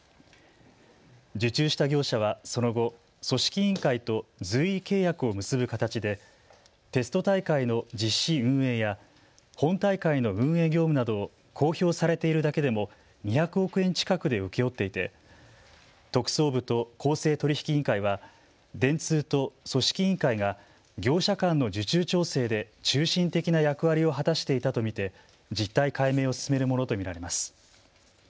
受注した業者はその後、組織委員会と随意契約を結ぶ形でテスト大会の実施運営や本大会の運営業務などを公表されているだけでも２００億円近くで請け負っていて特捜部と公正取引委員会は電通と組織委員会が業者間の受注調整で中心的な役割を果たしていたと見て実態解明を進めるものと見られます。